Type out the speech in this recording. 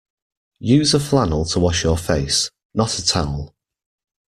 Use a flannel to wash your face, not a towel